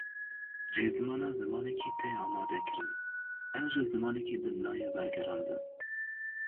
Rêzimana zimanekî tê amadekirin, ew ji zimanekî din nayê wergerandin.